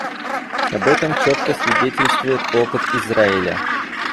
Об этом четко свидетельствует опыт Израиля.